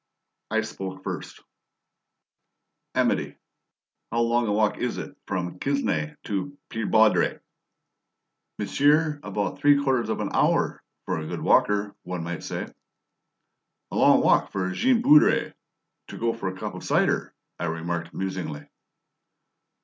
I spoke first: "Amedee, how long a walk is it from Quesnay to Pere Baudry's?" "Monsieur, about three quarters of an hour for a good walker, one might say." "A long way for Jean Ferret to go for a cup of cider," I remarked musingly.